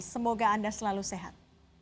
semoga anda selalu sehat